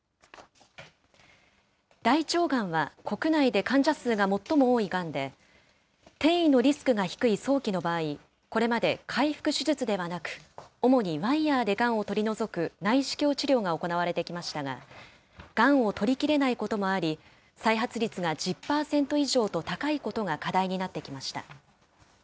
大腸がんは国内で患者数が最も多いがんで、転移のリスクが低い早期の場合、これまで開腹手術ではなく、主にワイヤーでがんを取り除く内視鏡治療が行われてきましたが、がんを取りきれないこともあり、再発率が１０％以上と高いことが課題になってきました。